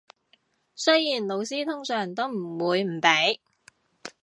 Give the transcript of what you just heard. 雖然老師通常都唔會唔俾